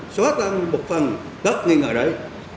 xóa tăng một phần tất nghi ngờ đấy